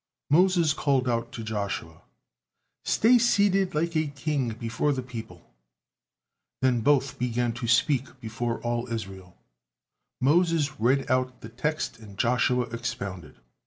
Moses called out to Joshua, "Stay seated like a king before the people!" Then both began to speak before all Israel; Moses read out the text and Joshua expounded.